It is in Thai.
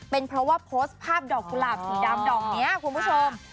เป็นเพราะว่าโพสต์ภาพดอกกุหลาบสีดำดอกนี้คุณผู้ชม